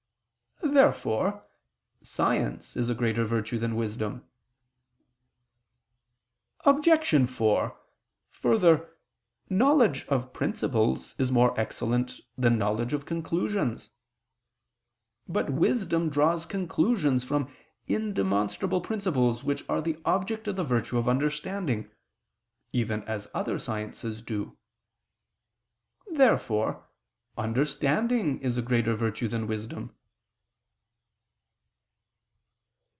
Therefore science is a greater virtue than wisdom. Obj. 4: Further, knowledge of principles is more excellent than knowledge of conclusions. But wisdom draws conclusions from indemonstrable principles which are the object of the virtue of understanding, even as other sciences do. Therefore understanding is a greater virtue than wisdom.